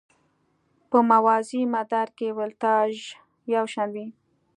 په موازي مدار کې ولتاژ یو شان وي.